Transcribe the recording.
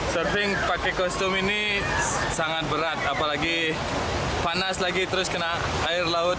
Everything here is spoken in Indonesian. surfing pakai kostum ini sangat berat apalagi panas lagi terus kena air laut